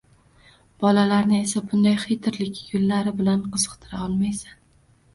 Bolalarni esa bunday xitrlik yo‘llari bilan qiziqtira olmaysan.